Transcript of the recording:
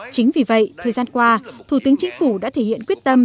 chính vì vậy thời gian qua thủ tướng chính phủ đã thể hiện quyết tâm